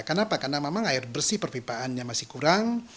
kenapa karena memang air bersih perpipaannya masih kurang